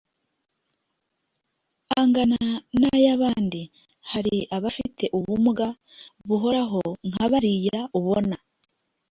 angana naya abandi Hari abafite ubumuga buhoraho nka bariya ubona